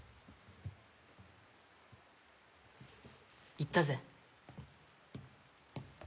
行ったぜ。